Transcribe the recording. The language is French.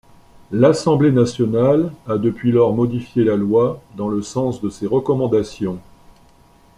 L’Assemblée nationale a depuis lors modifié la loi dans le sens de ces recommandations.